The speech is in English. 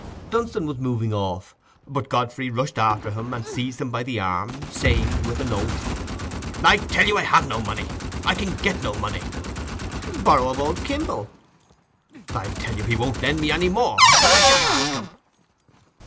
Dunstan was moving off, but Godfrey rushed after him and seized him by the arm, saying, with an oath— "I tell you, I have no money: I can get no money." "Borrow of old Kimble." "I tell you, he won't lend me any more, and I shan't ask him."